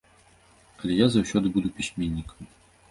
Але я заўсёды буду пісьменнікам.